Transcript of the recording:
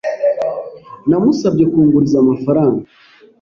Namusabye kunguriza amafaranga.